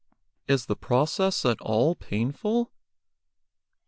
"Is the process at all painful